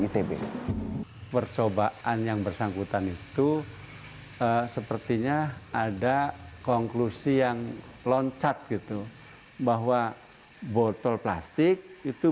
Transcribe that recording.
itb percobaan yang bersangkutan itu sepertinya ada konklusi yang loncat gitu bahwa botol plastik itu